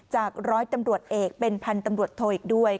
จาก๑๐๐ตำรวจเอกเป็น๑๐๐๐ตำรวจโทอีกด้วย